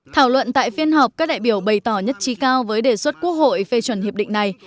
thảo luận tại phiên họp các đại biểu bày tỏ nhất trí cao với đề xuất quốc hội phê chuẩn hiệp định này